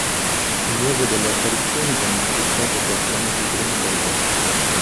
Il luogo delle apparizioni venne acquistato quattro mesi prima dal vescovo.